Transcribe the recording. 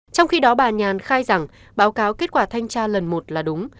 trong khi đó bà nhàn khai rằng báo cáo kết quả thanh tra lần một là đúng